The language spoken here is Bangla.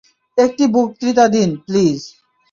একটি বক্তৃতা দিন, প্লিজ!